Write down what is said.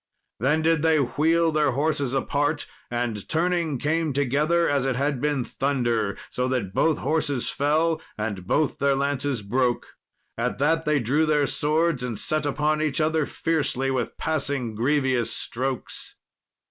Then did they wheel their horses apart, and turning, came together as it had been thunder, so that both horses fell, and both their lances broke. At that they drew their swords and set upon each other fiercely, with passing grievous strokes.